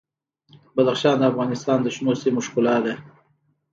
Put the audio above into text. بدخشان د افغانستان د شنو سیمو ښکلا ده.